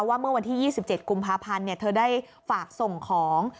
เมื่อวันที่๒๗กุมภาพันธ์เธอได้ฝากส่งของ